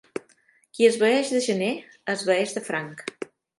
Qui esvaeix de gener, esvaeix de franc.